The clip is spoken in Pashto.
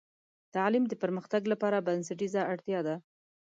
تعلیم د پرمختګ لپاره بنسټیزه اړتیا ده.